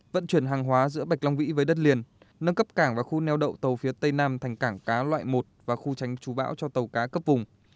vận chuyển hàng hóa giữa bạch long vĩ với đất liền nâng cấp cảng và khu neo đậu tàu phía tây nam thành cảng cá loại một và khu tránh chú bão cho tàu cá cấp vùng